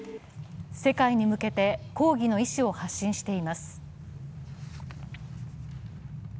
世界に向けた抗議の意思を発信しています。